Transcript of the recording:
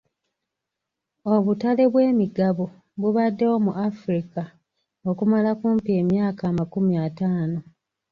Obutale bw'emigabo bubaddewo mu Afirika okumala kumpi emyaka amakumi ataano.